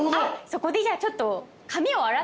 そこでじゃあちょっと。